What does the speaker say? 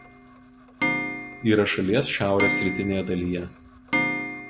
Yra šalies šiaurės rytinėje dalyje.